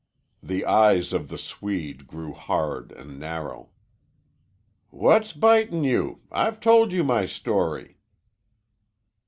The eyes of the Swede grew hard and narrow. "What's bitin' you? I've told you my story."